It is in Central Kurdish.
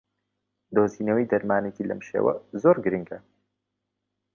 دۆزینەوەی دەرمانێکی لەم شێوەیە زۆر گرنگە